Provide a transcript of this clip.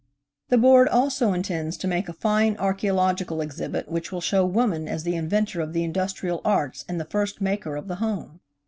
The Board also intends to make a fine archæological ex hibit which will show woman as the inventor of the industrial arts and the first maker of the home.